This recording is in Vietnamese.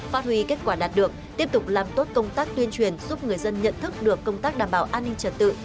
phát huy kết quả đạt được tiếp tục làm tốt công tác tuyên truyền giúp người dân nhận thức được công tác đảm bảo an ninh trật tự